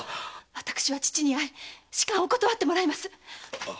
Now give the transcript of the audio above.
私は父に会い仕官を断ってもらいます。